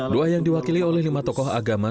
dua yang diwakili oleh lima tokoh agama